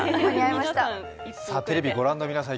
テレビをご覧の皆さん